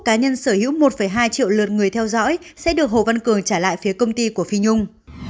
cá nhân sở hữu một hai triệu lượt người theo dõi sẽ được hồ văn cường trả lại phía công ty của phi nhung